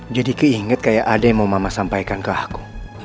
jadi keinget kayak ada yang mau mama sampaikan ke aku